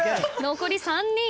残り３人。